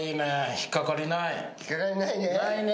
引っかかりないね。